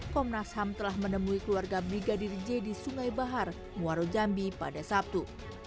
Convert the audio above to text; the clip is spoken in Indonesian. komnas ham telah menemui keluarga brigadir j di sungai bahar muaro jambi pada sabtu